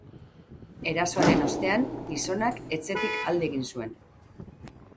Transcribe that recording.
Erasoaren ostean, gizonak etxetik alde egin zuen.